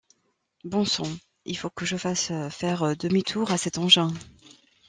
Bon sang, il faut que je fasse faire demi-tour à cet engin.